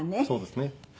そうですね。